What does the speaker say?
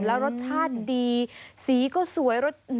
แล้วรสชาติดีสีก็สวยรส